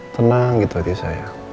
tenang gitu hati saya